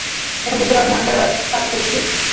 এখনও বুঝতে পারোনি আমি তার দূত?